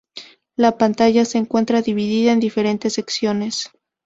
La pantalla se encuentra dividida en diferentes secciones.